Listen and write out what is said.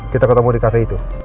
kita ketemu di kafe itu